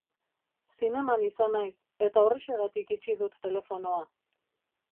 Zineman izan naiz eta horrexegatik itxi dut telefonoa.